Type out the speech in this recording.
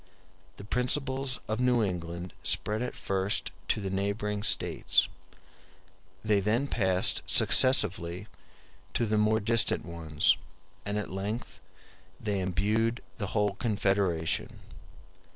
*e The principles of New England spread at first to the neighboring states; they then passed successively to the more distant ones; and at length they imbued the whole Confederation.